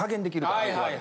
はいはい。